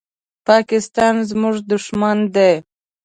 پاکستان زمونږ دوښمن دی